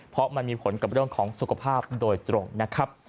เพราะมันมีผลกับเรื่องของสุขภาพโดยตรงนะครับ